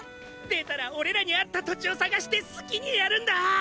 出たら俺らに合った土地を探して好きにやるんだ！